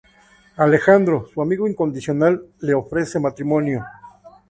Alejandro, su amigo incondicional le ofrece matrimonio.